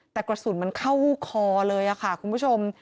แต่กระสุนมันเข้าคอเลยค่ะคุณผู้ชม